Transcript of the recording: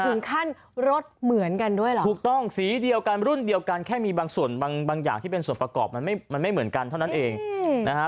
ถึงขั้นรถเหมือนกันด้วยเหรอถูกต้องสีเดียวกันรุ่นเดียวกันแค่มีบางส่วนบางอย่างที่เป็นส่วนประกอบมันไม่มันไม่เหมือนกันเท่านั้นเองนะฮะ